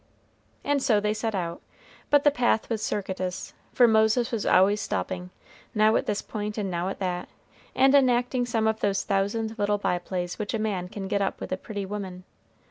And so they set out; but the path was circuitous, for Moses was always stopping, now at this point and now at that, and enacting some of those thousand little by plays which a man can get up with a pretty woman.